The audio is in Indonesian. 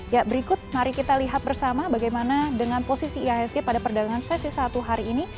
ya berikut mari kita lihat bersama bagaimana dengan posisi ihsg pada perdagangan sesi satu hari ini